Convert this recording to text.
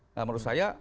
nah menurut saya